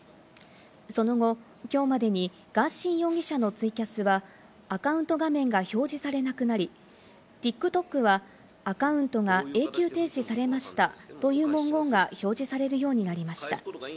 その後、今日までにガーシー容疑者のツイキャスはアカウント画面が表示されなくなり、ＴｉｋＴｏｋはアカウントが永久停止されましたという文言が表示されるようになりました。